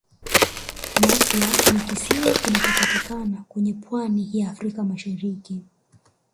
mafia ni kisiwa kinachopatikana kwenye pwani ya africa mashariki